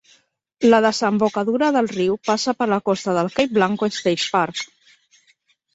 La desembocadura del riu passa per la costa del Cape Blanco State Park.